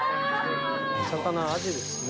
魚アジですね。